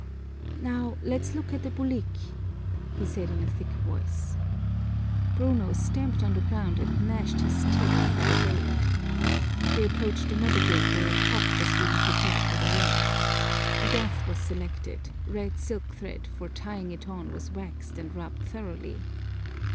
"Now let's look at the bulik," he said in a thick voice. Bruno stamped on the ground and gnashed his teeth, but obeyed. They approached another group where a cock was being prepared for the ring. A gaff was selected, red silk thread for tying it on was waxed and rubbed thoroughly.